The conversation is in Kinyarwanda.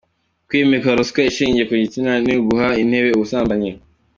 Kwimika ruswa ishingiye ku gitsina ni uguha intebe ubusambanyi.